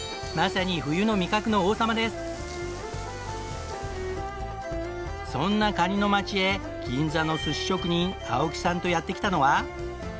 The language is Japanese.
まさにそんなカニの街へ銀座の寿司職人青木さんとやって来たのは。